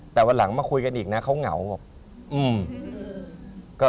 แต่วันหลังมาคุยกันอีกนะเขาเหงาบอก